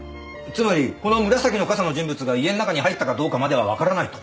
つまりこの紫の傘の人物が家ん中に入ったかどうかまでは分からないと。